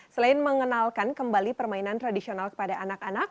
selain mengenalkan kembali permainan tradisional kepada anak anak